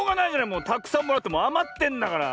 もうたくさんもらってあまってんだから。